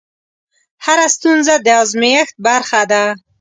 هره ستونزه د ازمېښت برخه ده.